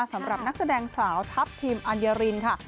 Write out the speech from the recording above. สำหรับนักแสดงสาวทัพทิมอัญญารินค่ะ